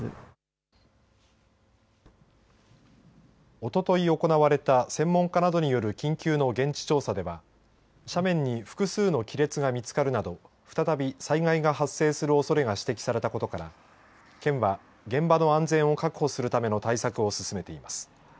おととい行われた専門家などによる緊急の現地調査では斜面に複数の亀裂が見つかるなど再び災害が発生するおそれが指摘されたことから県は現場の安全を確保するための対策を進めています。